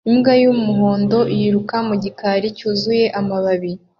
Imbwa y'umuhondo yiruka mu gikari cyuzuye amababi